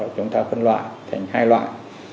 chúng ta phân loại thành hai loại